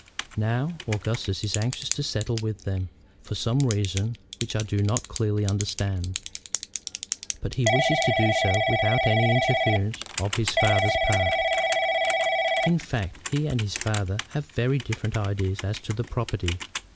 Now, Augustus is anxious to settle with them, for some reason which I do not clearly understand. But he wishes to do so without any interference on his father's part. In fact, he and his father have very different ideas as to the property.